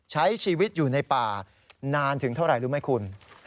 ใช้ชีวิตอยู่ในป่านานถึงเท่าไหร่รู้ไหมคุณ